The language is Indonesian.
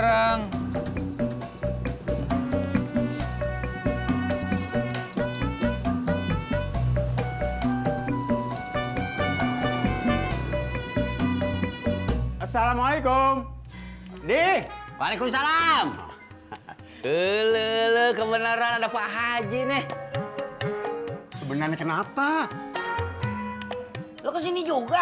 assalamualaikum di waalaikumsalam kebenaran ada pak haji nih sebenarnya kenapa lo kesini juga